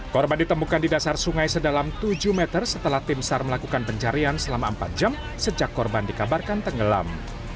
korban ditemukan di dasar sungai sedalam tujuh meter setelah tim sar melakukan pencarian selama empat jam sejak korban dikabarkan tenggelam